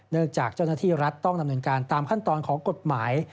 จากเจ้าหน้าที่รัฐต้องดำเนินการตามขั้นตอนของกฎหมาย